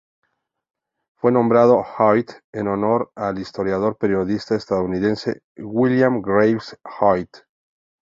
Fue nombrado Hoyt en honor al historiador y periodista estadounidense William Graves Hoyt.